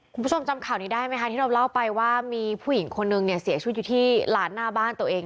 คุณผู้ชมจำข่าวนี้ได้ไหมคะที่เราเล่าไปว่ามีผู้หญิงคนนึงเนี่ยเสียชีวิตอยู่ที่ร้านหน้าบ้านตัวเอง